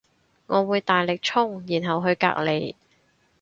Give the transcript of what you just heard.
我會大力衝然後去隔籬